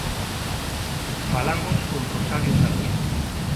Falamos con Rosario Sarmiento.